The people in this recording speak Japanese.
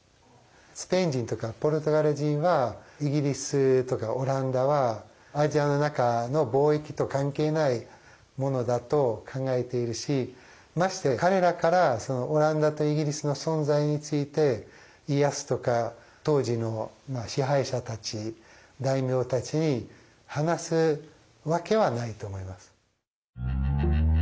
スペイン人とかポルトガル人はイギリスとかオランダはアジアの中の貿易と関係ないものだと考えているしまして彼らからそのオランダとイギリスの存在について家康とか当時の支配者たち大名たちに話すわけはないと思います。